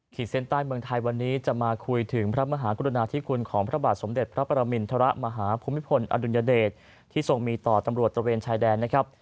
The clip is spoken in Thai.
เส้นใต้เมืองไทยวันนี้จะมาคุยถึงพระมหากรุณาธิคุณของพระบาทสมเด็จพระปรมินทรมาฮภูมิพลอดุลยเดชที่ทรงมีต่อตำรวจตระเวนชายแดนนะครับ